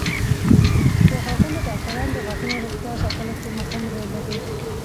د غاښونو ډاکټران د غاښونو روغتیا ساتلو کې مهم رول لري.